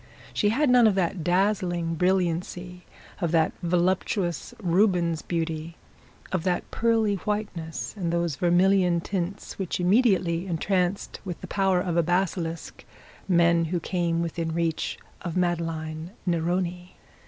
She had none of that dazzling brilliancy, of that voluptuous Rubens beauty, of that pearly whiteness, and those vermilion tints, which immediately entranced with the power of a basilisk men who came within reach of Madeline Neroni.